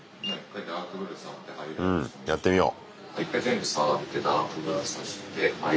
うんやってみよう。